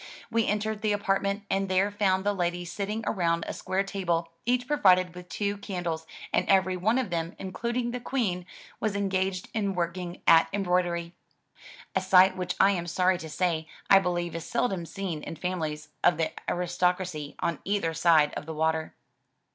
We entered the apartment and there found the ladies sitting around a square table, each provided with two candles, and every one of them, including the Queen, was engaged in working at embroidery — a sight which I am sorry to say I be lieve is seldom seen in families of the aristocracy on either side of the water.